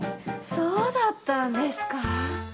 そうだったんですかぁ。